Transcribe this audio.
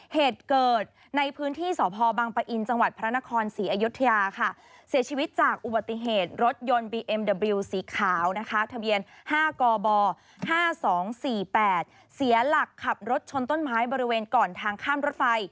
เหตุเกิดในพื้นที่สพบังปะอินจังหวัดพระนครศรีอยุธยาค่ะ